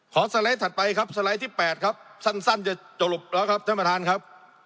สไลด์ถัดไปครับสไลด์ที่๘ครับสั้นจะจบแล้วครับท่านประธานครับ